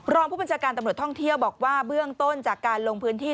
รองผู้บัญชาการตำรวจท่องเที่ยวบอกว่าเบื้องต้นจากการลงพื้นที่